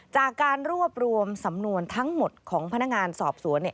จากการรวบรวมสำนวนทั้งหมดของพนักงานสอบสวนเนี่ย